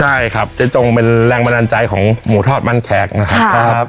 ใช่ครับเจ๊จงเป็นแรงบันดาลใจของหมูทอดมันแขกนะครับ